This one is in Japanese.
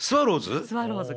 スワローズ？